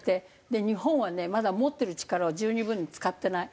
で日本はねまだ持ってる力を十二分に使ってない。